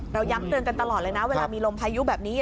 ย้ำเตือนกันตลอดเลยนะเวลามีลมพายุแบบนี้